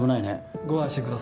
ご安心ください。